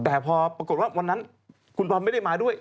แต่พอปรากฏว่าวันนั้นคุณบอลไม่ได้มาด้วย